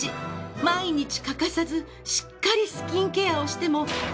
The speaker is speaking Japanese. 毎日欠かさずしっかりスキンケアをしても。